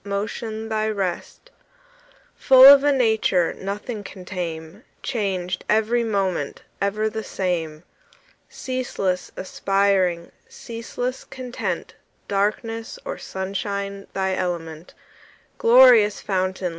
Motion thy rest; Full of a nature Nothing can tame, Changed every moment, Ever the same; Ceaseless aspiring, Ceaseless content, Darkness or sunshine Thy element; Glorious fountain.